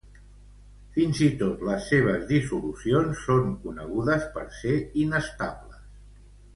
Fins i tot les seves dissolucions són conegudes per ser inestables.